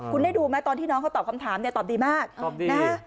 คุณได้ดูไหมตอนที่น้องเขาตอบคำถามเนี่ยตอบดีมากนะฮะ